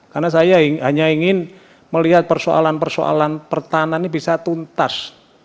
karena saya hanya ingin melihat persoalan persoalan pertahanan ini bisa tuntas